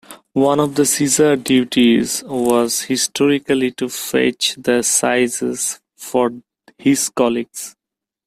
One of the sizar's duties was, historically, to fetch the "sizes" for his colleagues.